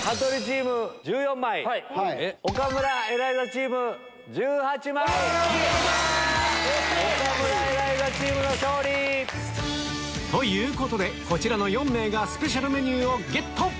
イェイ！ということでこちらの４名がスペシャルメニューをゲット！